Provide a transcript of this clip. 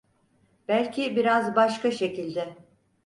Belki biraz başka şekilde…